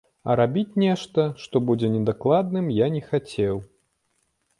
А рабіць нешта, што будзе недакладным, я не хацеў.